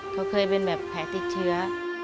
เขาเคยเป็นแบบแผลติดเชื้อ